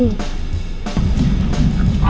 อันนี้คือเรา